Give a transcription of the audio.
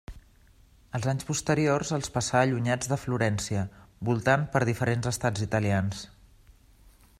Els anys posteriors els passà allunyats de Florència, voltant per diferents estats italians.